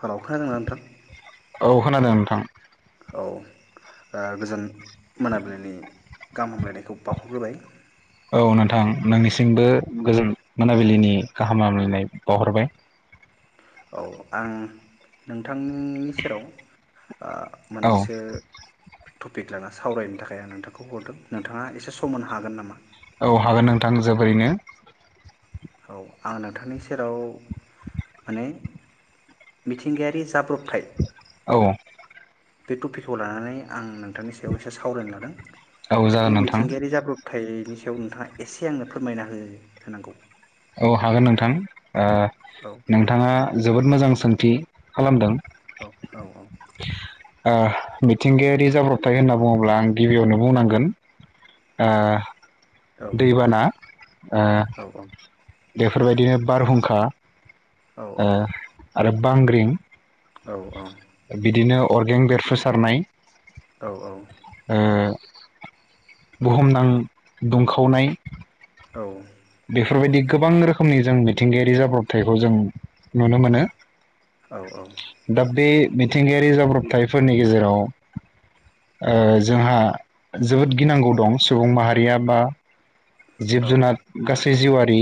Hello खोनादोंना नोंथां? औ खोनादो नोंथां। औ ओ गोजोन मोनाबिलिनि गाहाम हामलायनायखौ बावहरग्रोबाय। औ नोंथां नोंनिसिमबो गोजोन मोनाबिलिनि गाहाम लायनाय बावहरबाय। औ आं नों नोंथांनि सेराव ओ औ मोननैसो टपिक लाना सावरायनो थाखाय आं नोंथांखौ हरदों नोंथाङा एसे समनो हागोन नामा? औ हागोन नोंथां जोबोरैनो। औ आं नोंथांनि सेराव माने मिथिंगायारि जाब्रबथाय औ बे टपिकखौ लानानै आं नोंथांनि सायाव एसे सावरायनो लादों। औ जागोन बे नोंथां मिथिंगायारि जाब्रबथायनि सायाव नोंथाङा एसे आंनो फोरमायना हो होनांगौ? औ हागोन नोंथां। औ ओ नोंथांङा जोबोद मोजां सोंथि खालामदों। औ औ औ। ओ मिथिंगायारि जाब्रबथाय होनना बुङोब्ला आं गिबियावनो बुंनांगोन आ औ दैबाना ओ औ बेफोरबायदिनो बारहुंखा औ ओ औ। आरो बांग्रिं। औ औ। अर्गें बेरफुसारनाय औ औ। ओ बुहुमनां दुंखावनाय औ। बेफोरबायदि गोबां रोखोमनि जों मिथिंगायारि जाब्रबथायखौ जों नुनो मोनो। औ दा बे मिथिंगायारि जाब्रबथायफोरनि गेजेराव ओ जोंहा जोबोद गिनांगौ दं सुबुं माहारिया बा जिब जुनार गासैबो जिवारि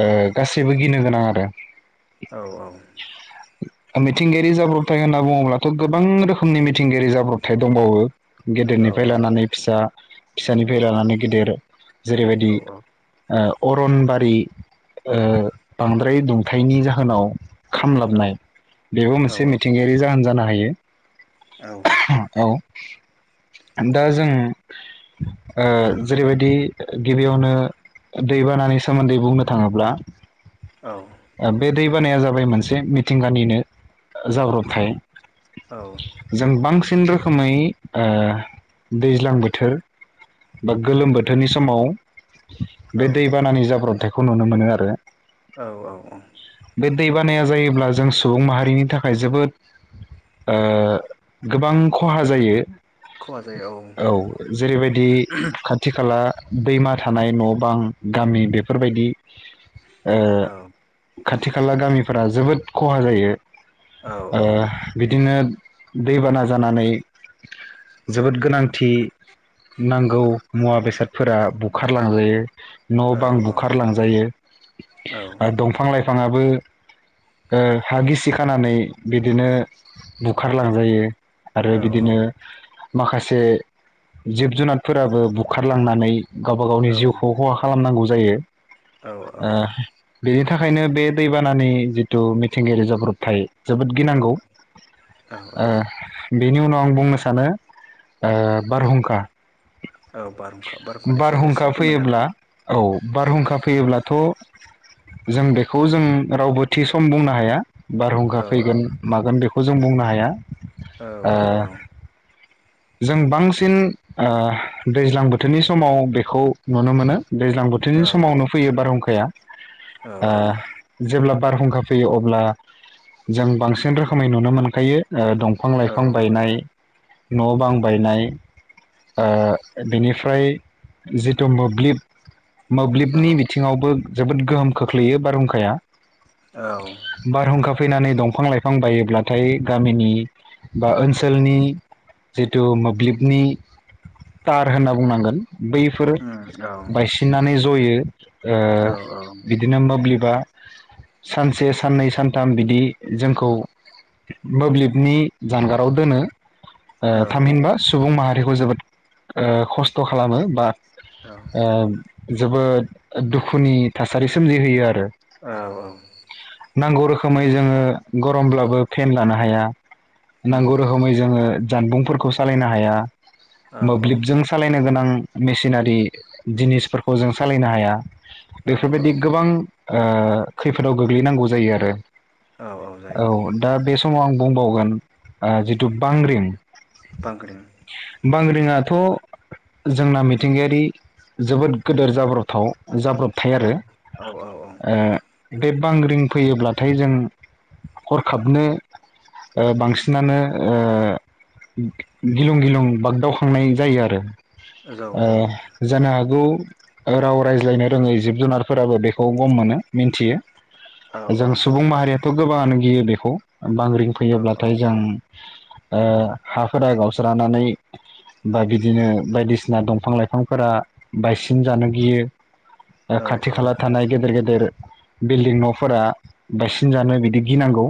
ओ गासैबो गिनो गो आरो औ औ मिथिंगायारि जाब्रबथाय होनना बुङोब्लाथ गोबां रोखोमनि मिथिंगायारि जाब्रबथाय दंबावो गेदेरनिफ्राय लानानै फिसा फिसानिफ्राय लानानै गेदेर जेरैबायदि औ ओ अरनबारि ओ‌ बांद्राय दुंथायनि जाहोनाव खामलाबनाय बेबो मोनसे मिथिंगायारि जाहोन जानो हायो औ दा जों ओ जेरैबायदि गिबियावनो दैबानानि सोमोन्दै बुंनो थाङोब्ला औ बे दै बानाया जाबाय मोनसे मिथिंगानिनो जाब्रबथाय जों बांसिन सिन रोखोमै ओ दैज्लां बोथोर बा गोलोम बोथोर नि समाव बे दैबानानि जाब्रथाय बे खौ नुनो मोनो आरो औ औ औ बे दै बानाया जायोब्ला जों सुबुं माहारिनि थाखाय जोबोद गोबां खहा जायो खहा जायो औ जेरैबायदि खाथि खाला दैमा थानाय न' बां गामि बेफोरबायदि ओ औ खाथि खाला गामिफोरा जोबोद खहा जायो औ बिदिनो दैबाना जानानै जोबोद गोनांथि नांगौ मुवा बेसादफोरा बुखारलांजायो न' औ बां औ बुखारलांजायो औ आरो दंफां लाइफां बिफाङआ हा गिसि खानानै बिदिनो बुखारलांजायो आरो औ बिदिनो माखासे जिब जुनारफोराबो बुखारलांनानै गावबा गावनि जिउखौ खहा खालामनांगौ जायो औ औ ओ बेनि थाखायनो बे दैबानानि जिथु मिथिंगायारि जाब्रबथाय जोबोद औ गिनांगौ औ ओ बेनि उनाव आं बुंनो सानो ओ बारहुंखा औ बारहुंखा बारहुंखानि सायाव एसे बारहुंखा फोरमायना फैयोब्ला औ बारहुंखा फैयोब्लाथ' जों बेखौ खौ जों रावबो थि सम बुंनो हाया बारहुंखा औ औ फैगोन मागोन बेख खौ जों बुंनो हाया औ ओ औ ओं जों बांसिन ओ दैज्लां बोथोरनि समाव बेखौ नुनो मोनो दैज्लां औ बोथोरनि समावनो फैयो बारहुंखा बिफाया औ औ जेब्ला बारहुंखा फैयो अब्ला जों बांसिन रोखोमै नुनो मोनखायो ओ दंफां औ लाइफां गायनाय न' बां बायनाय ओ बेनिफ्राय जिथु मोब्लिब मोब्लिबनि जोबोद गोहोम खोख्लैयो बारहुंखा खाया औ फैनानै दंफां लाइफां बायोब्लाथाय गामिनि बा ओनसोलनि जिथु मोब्लिबनि थार होनना बुंनांगोन बैफोर बायसिननानै जों जयो ओ बिदिनो मोब्लिब बा सानसे साननै सानथाम बिदि जोंखौ मोब्लिबनि ओ औ थामहिनबा सुबुं माहारि खौ जोबोद खस्थ' खालामो बा औ औ ओ जोबोद दुखुनि थासारि सोमजिहोयो आरो औ औ नांगौ रोखोमै जोङो गरमब्लाबो फेन लानो हाया उम नांगौ रोखोमै जोङो जानबुंफोरखौ सालायनो हाया औ मोब्लिबजों सालायनो गोनां मेसिनारि जिनिसफोरखौ जों सालायनो हाया औ बेफोरबायदि गोबां ओ खैफोदाव गोग्लैनांगौ जायो आरो औ औ जायो औ दा बे सम समाव आं बुंबावगोन जिथु बांग्रिं बांग्रिं बांग्रिङाथ' जोंना मिथिंगायारि जोबोद गेदेर जाब्रबथाव जाब्रबथाय औ आरो औ औ औ ओ बे बांग्रिं फैयोब्लाथाय जों हरखाबनो ओ बांसिनानो ओ गिलुं गिलुं बाग्दावखांनाय जायो आरो जौ ओ जायो जानो हागौ राव रायज्लायनो रोङै जिब जुनारफोराबो बे गम मोनो मिन्थियो औ जों सुबुं माहारियाथ' गोबाङानो गियो बेखौ बांग्रिं औ फैयोब्लाथाय जों ओ हाफोरा गावस्रानानै बा बिदिनो बायदिसिना दंफां लाइफांफोरा बायसिन जानो गियो औ खाथि खाला थानाय गेदेर गेदेर बिल्डिं नफोरा बायसिन जानो बिदि गिनांगौ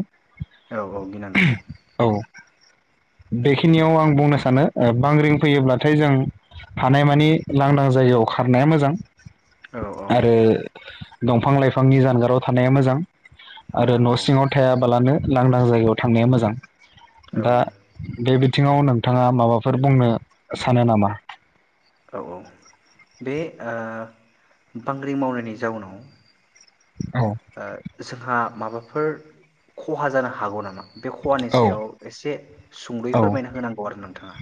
औ औ गिनांगौ औ बेखिनियाव आं बुंनो सानो बांग्रिं फैयोब्लाथाय जों हानायमानि लांदां जायगायाव खारनाया मोजां औ औ आरो दंफां लाइफांनि जानगाराव थानाया मोजां आरो मोजां न औ सिङाव थायाबालानो लांदां जायगायाव थांनाया मोजां औ दा बेे बिथिङाव नोंथाङा माबाफोर बुंनो सानो नामा औ औ बे ओ बांग्रि मावनायनि जाउनाव औ ओ जोंहा माबाफोर खहा जानो हागौ नामा बे खहानि औ सायाव एसे सुंलुय औ फोरमायना होनांगौ आरो नोंथाङा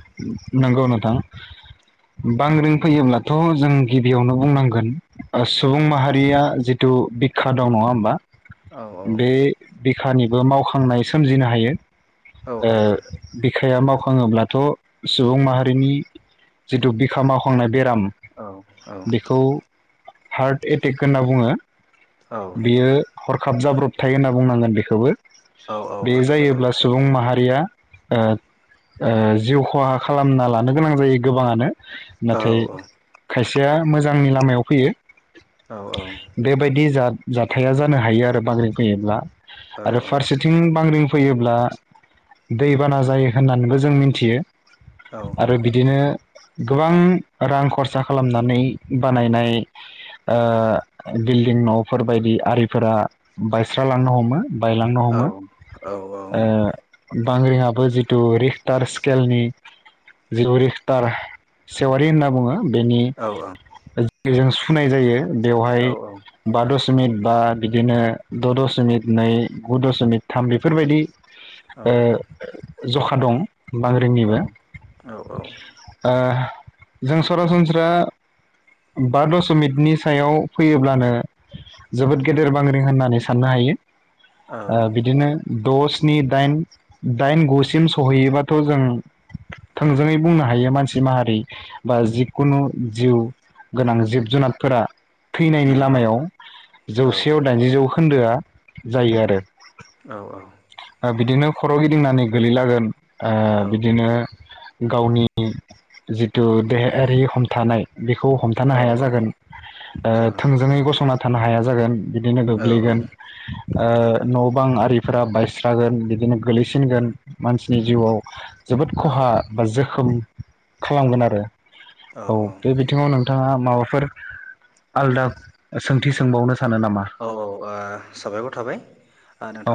नंगौ नोंथां बांग्रिं फैयोब्लाथ जों गिबियावनो बुंनांगोन ओ सुबुं औ औ माहारिया जि खिथु बिखा दं नङा होमबा औ औ बे बिखानिबो मावखांनाय सोमजिनो हायो औ ओ हायो बिखाया माव- [unintelligible] सुबुं माहारिनि जिथु बिखा मावखांनाय बे दाम औ औ बेखौ हार्ट एटेक होनना बुङो औ बियो हर खाबजाब्रबथाया होनना बुंनांगोन बेखौबो औ औ बे हरखाब जायोब्ला जाब्रथाय सुबुं माहारिया ओ ओ जिउ खहा खालामना लानो गोनां जायो गोबाङानो औ नाथाय खायसेया मोजां जांनि लामायाव फैयो औ बेबायदि जा जाथाया जानो हायो आरो बांग्रिं फैयोब्ला आरो फारसेथिं बांग्रिं फैयोब्ला दैबाना जायो होननानैबो जों मिन्थियो औ आरो बिदिनो गोबां रां खरसा खालामनानै बानायनाय ओ बिल्डिं न'फोर बायदि आरिफोरा बायस्रालांनो हमो बायलांनो औ हमो औ औ ओ बांग्रिङाबो जिथु रिक्टार स्केलनि जिथु रिखटार सेवारि होनना बुङो बेनि फुनाय जायो बेवहाय बा दसे दशमिट बा बिदिनो द' दशमिक नै गु दशमिक थाम बेफोरबायदि ए जखा दं बांग्रिनिबो जों सरासनस्रा बा दशमिकनि सायाव फैयोब्लानो जोबोद गेदेर बांग्रिं होननानै साननो हायो बिदिनो दस स्नि दाइन दाइन गुसिम सहैयोबाथ' जों थोंजोङै बुंनो हायो मानसि माहारि बा जिखुनु जिउ गोनां जिब जुनारफोरा थैनायनि लामायाव जौसेयाव दाइनजि जौ खोन्दोआ जायो आरो औ औ बिदिनो खर' गिदिंनानै गोलैलागोन ओ औ बिदिनो गावनि जिथु देहायारि हमथानाय बेखौ हमथानो औ हाया औ जागोन ओ जागोन थोंजोङै गसंना थानो हाया जागोन। बिदिनो औ औ गोग्लैगोन ओ न' बां आरि फोरा बायस्रागोन बिदिनो गोलैसिनगोन मानसिनि जिउआव जोबोद औ खहा बा जो खोम खालामगोन आरो औ बे बिथिङाव नों बिथाङा माबाफोर आलदा सोंथि सोंबावनो? सानो नामा औ औ ओ साबायखर थाबाय।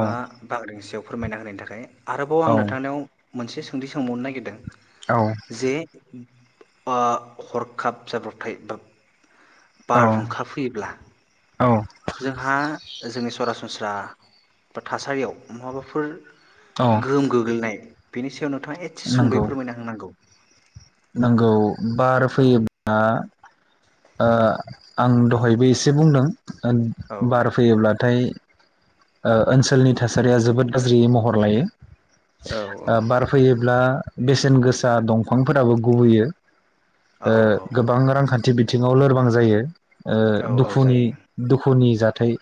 औ बाग्रिंनिसायाव फोरमायना होनायनि थाखाय आरोबाव आं औ नोंथांनियाव मोनसे सोंथि सोंबावनो नागिरदों औ जे बा हरखाब जाब्रबथाय बा औ बारहुंखा फैयोब्ला औ जोंहा जोंनि सरासनस्रा बा थासारियाव माबाफोर औ गोहोम गोग्लैनाय बिनिस बेयाव नोंथाङा एसे सुंदै नंगौ फोरमायना होनांगौ नंगौ बार औ फैयोब्ला आ आं दहायबो एसे बुंदों औ बार फैयोब्लाथाय ओ ओनसोलनि थासारिया जोबोद गाज्रियै महर लायो औ ओ बार फैयोब्ला बेसेन गोसा दंफां फोराबो गुबहैयो। औ ओ गोबां रांखान्थि थि बिथिङाव लोरबां जायो। ओ औ औ दुखुनि जायो दुखुनि जा। थाय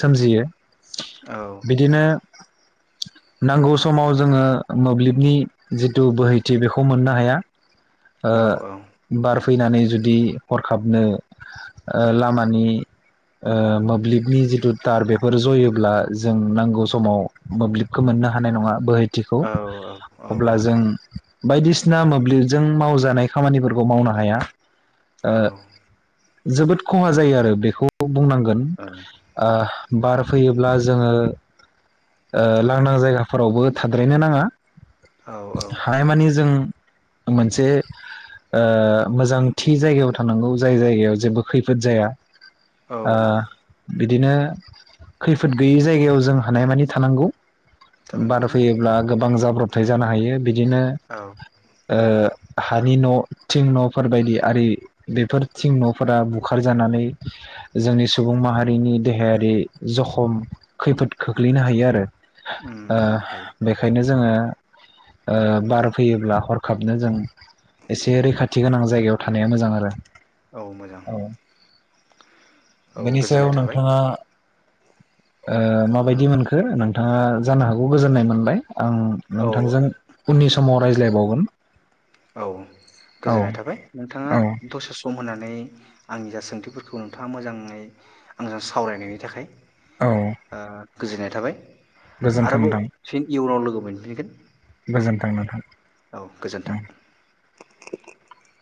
सोमजियो। औ बिदिनो नांगौ समाव जोङो मोब्लिबनि जिथु बोहैथि बेखौ मोननो हाया ओ औ बार फैनानै जुदि हरखाबनो ओ लामानि ओ मोब्लिबनि जिथु तार बेफोर जयोब्ला जों नांगौ समाव मोब्लिबखौ मोननो हानाय नङा बोहाय थिखौ औ औ अब्ला जों बायदिसिना मोब्लिब जों मावजानाय खामानिफोरखौ मावनो हाया। ओ औ। जोबोद खहा जायो आरो बेखौ बुंनांगोन ओ। बार फैयोब्ला जोङो ओ लांदां जायगाफोरावबो थाद्रायनो नाङा औ औ हानायमानि जों मोनसे मोजांथि जायगायाव थानांगौ जाय जायगायाव जेबो खैफोद जाया। औ ओ। बिदिनो खैफोद गैयै जायगायाव जों हानायमानि थानांगौ। बार जानांगौ फैयोब्ला गोबां जाब्रब [unintelligible] बिदिनो औ ओ हानि न' थिं न'फोर बायदि आरि बेफोर थिं न'फोरा बुखारजानानै जोंनि सुबुं माहारिनि देहायारि जखम खैफोद खोख्लैनो हायो आरो। उम आ उम हायो बेखायनो। ओ ओ बार फैयोब्ला हर- खाबनो जों एसे रैखाथि गोनां जायगायाव थानाया मोजां आरो औ मोजां औ औ बेनि सायाव गोजोननाय थाबाय नोंथाङा ओ औ माबायदि मोनखो नों नोंथाङा जानो हागौ गोजोननाय मोनबाय। आं औ नोंथांजों उननि समाव राय [unintelligible] औ गोजोननाय थाबाय नोंथाङा औ दसे सम होननानै आंनि जा सोंथिफोरखौ नोंथाङा मोजाङै आंजों सावरायनायनि थाखाय। औ ओ गोजोननाय थाबाय आरो गोजोन्थों आबाव नोंथां फिन इयुनाव लोगो मोनफिनगोन [unintelligible] औ गोजोन्थों [unintelligible]